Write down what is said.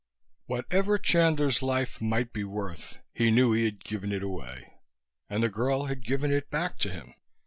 XI Whatever Chandler's life might be worth, he knew he had given it away and the girl had given it back to him.